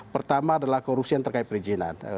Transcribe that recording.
pertama adalah korupsi yang terkait perizinan